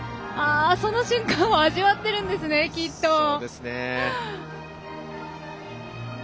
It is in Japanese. その瞬間を味わってるんですねきっと！